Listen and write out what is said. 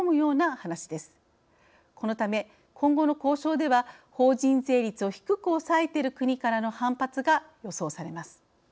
このため今後の交渉では法人税率を低く抑えている国からの反発が予想されます。